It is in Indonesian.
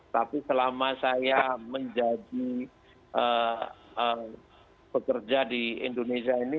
tapi selama saya menjadi pekerja di indonesia ini